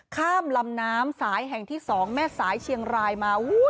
ข้ามลำน้ำสายแห่งที่๒แม่สายเชียงรายมา